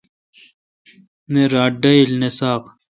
نہ رات ڈاییل نہ ساق۔